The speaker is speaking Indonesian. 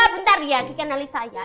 bentar ya kiki analis saya